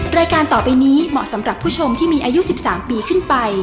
รายการต่อไปนี้เหมาะสำหรับผู้ชมที่มีอายุ๑๓ปีขึ้นไป